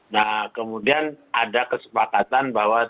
nah kemudian ada kesepakatan bahwa